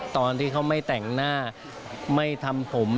ตอนที่เขาไม่แต่งหน้าไม่ทำผม